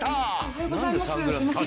おはようございます。